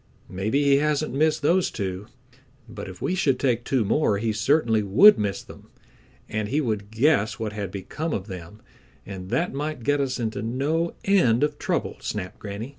"Maybe he hasn't missed those two, but if we should take two more he certainly would miss them, and he would guess what had become of them, and that might get us into no end of trouble," snapped Granny.